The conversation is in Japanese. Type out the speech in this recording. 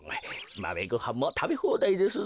マメごはんもたべほうだいですぞ。